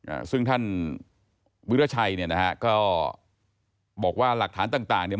อ่าซึ่งท่านวิราชัยเนี่ยนะฮะก็บอกว่าหลักฐานต่างต่างเนี้ย